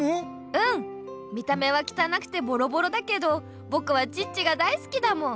うん見た目はきたなくてボロボロだけどぼくはチッチが大好きだもん。